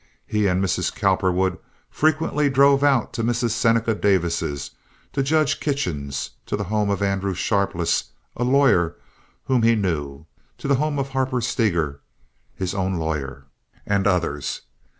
He and Mrs. Cowperwood frequently drove out to Mrs. Seneca Davis's, to Judge Kitchen's, to the home of Andrew Sharpless, a lawyer whom he knew, to the home of Harper Steger, his own lawyer, and others.